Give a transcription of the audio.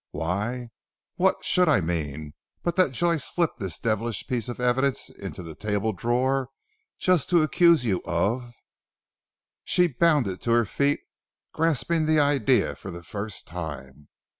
"Why, what should I mean, but that Joyce slipped this devilish piece of evidence into the table drawer, just to accuse you of " She bounded to her feet, grasping the idea for the first time.